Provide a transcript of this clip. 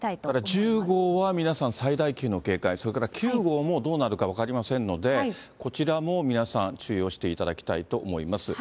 １０号は皆さん、最大級の警戒、それから９号もどうなるか分かりませんので、こちらも皆さん、注意をしていただきたいと思います。